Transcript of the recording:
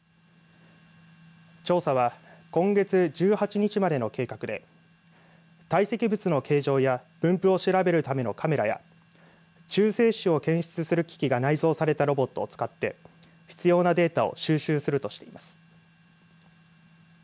調査は今月１８日までの計画で堆積物の形状や分布を調べるためのカメラや中性子を検出する機器が内蔵されたロボットを使って必要なデータを収集するとしています。